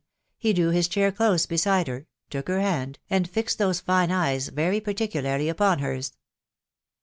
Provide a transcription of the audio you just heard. he drew his chair close beside her, took her hand, and fixed those fine eyes very particularly upon hers.